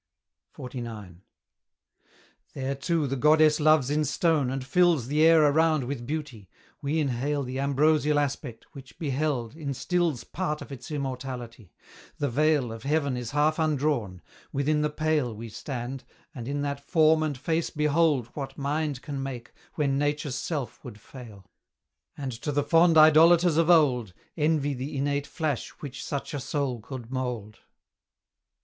XLIX. There, too, the goddess loves in stone, and fills The air around with beauty; we inhale The ambrosial aspect, which, beheld, instils Part of its immortality; the veil Of heaven is half undrawn; within the pale We stand, and in that form and face behold What Mind can make, when Nature's self would fail; And to the fond idolaters of old Envy the innate flash which such a soul could mould: L.